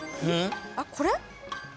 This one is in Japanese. あっこれ？